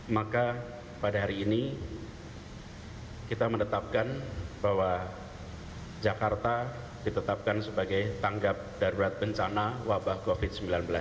maka pada hari ini kita menetapkan bahwa jakarta ditetapkan sebagai tanggap darurat bencana wabah covid sembilan belas